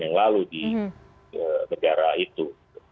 yang lalu di negara itu